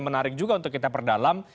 menarik juga untuk kita perdalam